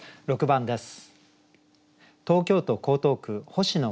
６番です。